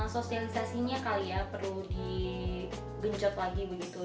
sosialisasinya kali ya perlu digenjot lagi begitu